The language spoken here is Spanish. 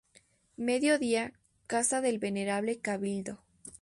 Mediodía, casa del venerable Cabildo.